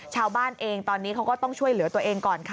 ชาวบ้านเองตอนนี้เขาก็ต้องช่วยเหลือตัวเองก่อนค่ะ